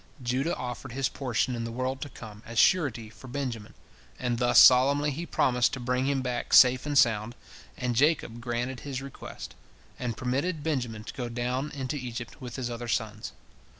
" Judah offered his portion in the world to come as surety for Benjamin, and thus solemnly he promised to bring him back safe and sound, and Jacob granted his request, and permitted Benjamin to go down into Egypt with his other sons.